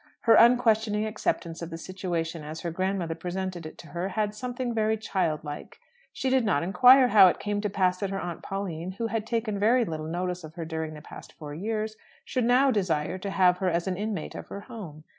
Her unquestioning acceptance of the situation as her grandmother presented it to her had something very child like. She did not inquire how it came to pass that her aunt Pauline, who had taken very little notice of her during the past four years, should now desire to have her as an inmate of her home.